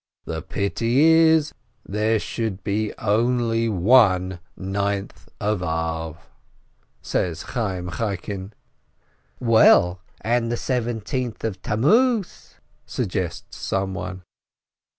"The pity is, there should be only one Ninth of Ab !" says Chayyim 'Chaikin. "Well, and the Seventeenth of Tammuz!" suggests some one.